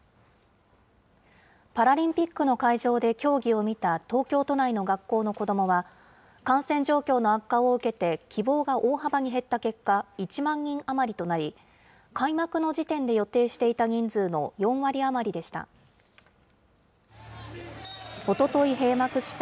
パラリンピックの会場で競技を見た東京都内の学校の子どもは、感染状況の悪化を受けて希望が大幅に減った結果、１万人余りとなり、開幕の時点で予定していた人数の４割余りでした。